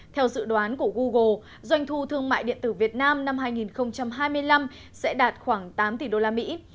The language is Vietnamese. theo dự đoán của google doanh thu thương mại điện tử việt nam năm hai nghìn hai mươi năm sẽ đạt khoảng tám tỷ usd